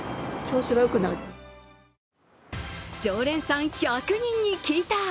常連さん１００人に聞いた！